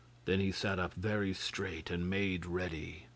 Then he sat up very straight and made ready.